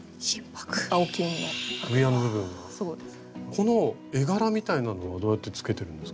この絵柄みたいなのはどうやってつけてるんですか？